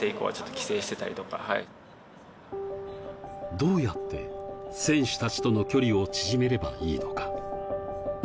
どうやって選手たちとの距離を縮めればいいのか。